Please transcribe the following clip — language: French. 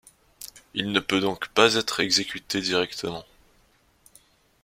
Il ne peut donc pas être exécuté directement.